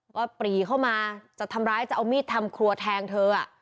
ปรีเข้ามาจะทำร้ายจะเอามีดทำครัวแทงเธอ